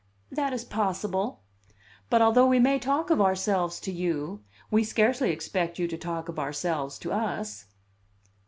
"That is possible. But although we may talk of ourselves to you, we scarcely expect you to talk of ourselves to us."